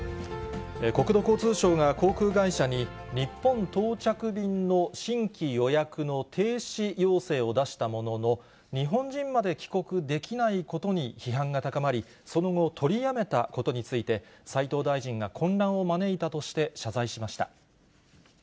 国土交通省が航空会社に、日本到着便の新規予約の停止要請を出したものの、日本人まで帰国できないことに批判が高まり、その後、取りやめたことについて、斉藤大臣が混乱を招いたとして、謝罪しました。